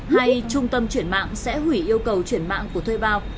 hay trung tâm chuyển mạng sẽ hủy yêu cầu chuyển mạng của thuê bao